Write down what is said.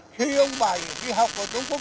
khi ông bảy đi học ở trung quốc